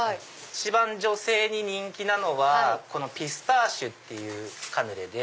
一番女性に人気なのはピスターシュっていうカヌレで。